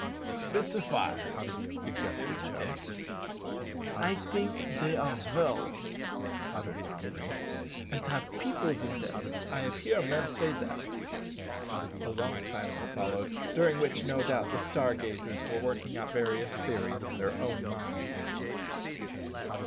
"Bits o' fire," suggested Joe. "I tink dey are vorlds," muttered Henri, "an' have peepels in dem. I have hear men say dat." A long silence followed, during which, no doubt, the star gazers were working out various theories in their own minds.